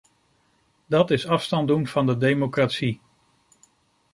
Dat is afstand doen van de democratie.